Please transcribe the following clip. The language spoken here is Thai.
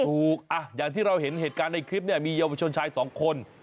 อย่างที่เราเห็นเหตุการณ์ในคลิปเนี่ยมีเยาวชนชายสองคน